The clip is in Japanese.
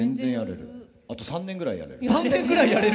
あと３年ぐらいやれる。